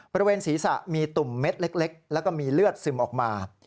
บริเวณศีรษะมีตุ่มเม็ดเล็กแล้วก็มีเลือดซึมออกมา